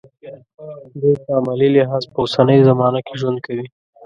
دوی په عملي لحاظ په اوسنۍ زمانه کې ژوند کوي.